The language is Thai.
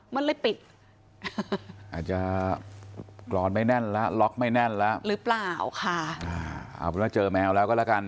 มันเลยปิดอาจจะกรอนไม่แน่นล็อคไม่แน่นหรือเปล่าค่ะหรือเจอแมวแล้วก็ละกัน